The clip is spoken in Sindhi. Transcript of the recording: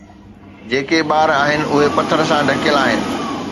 جيڪي ٻار آهن، اهي پٿر سان ڍڪيل آهن